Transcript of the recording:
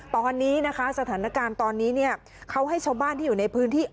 ตอนนี้นะคะสถานการณ์ตอนนี้เนี่ยเขาให้ชาวบ้านที่อยู่ในพื้นที่